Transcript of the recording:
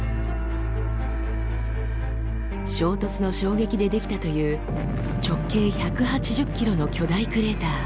衝突の衝撃で出来たという直径１８０ｋｍの巨大クレーター。